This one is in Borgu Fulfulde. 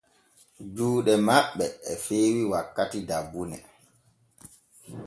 Juuɗe maɓɓ e feewi wakkati dabbune.